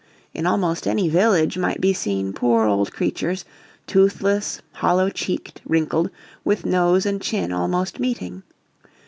In almost any village might be seen poor old creatures, toothless, hollow cheeked, wrinkled, with nose and chin almost meeting.